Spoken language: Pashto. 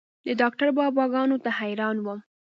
د ډاکتر بابا ګانو ته حيران وم.